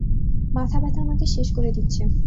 মাথা ব্যাথা আমাকে শেষ করে দিচ্ছে।